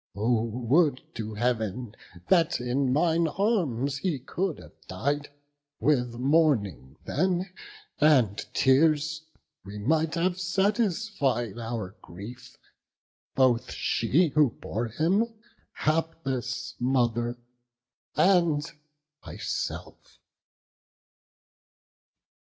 oh would to Heav'n that in mine arms He could have died; with mourning then and tears We might have satisfied our grief, both she Who bore him, hapless mother, and myself."